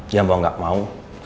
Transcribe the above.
ya mau gak mau